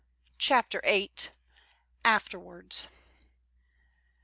CHAPTER VIII. AFTERWARDS.